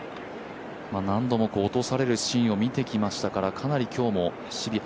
何度も落とされるシーンを見てきましたからかなり今日もシビア。